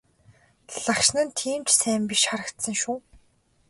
Лагшин нь тийм ч сайн биш харагдсан шүү.